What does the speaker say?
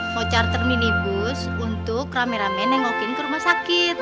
mau charter minibus untuk rame rame nengokin ke rumah sakit